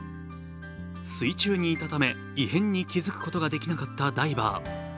水中にいたため、異変に気付くことができなかったダイバー。